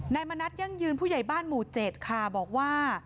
มณัฐยั่งยืนผู้ใหญ่บ้านหมู่๗ค่ะบอกว่า